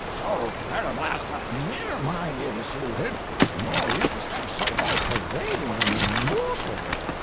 So fell a blast hath ne'er mine ears saluted, nor yet a stench so all pervading and immortal.